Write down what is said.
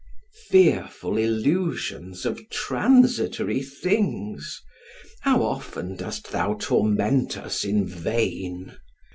Fearful illusions of transitory things, how often dost thou torment us in vain!